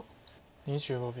２５秒。